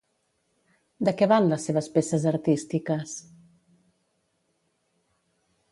De què van les seves peces artístiques?